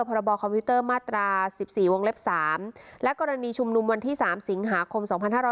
พรบคอมพิวเตอร์มาตรา๑๔วงเล็บ๓และกรณีชุมนุมวันที่๓สิงหาคม๒๕๕๙